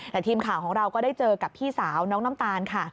แต่ทีมข่าวของเราก็ได้เจอกับพี่สาวน้องน้ำตาลค่ะ